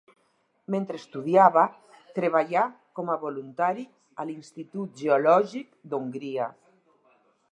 Mentre estudiava, treballà com a voluntari a l'Institut Geològic d'Hongria.